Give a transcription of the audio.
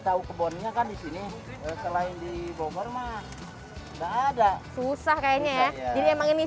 tahu kebunnya kan di sini selain di bokor mah enggak ada susah kayaknya ya ini emang ini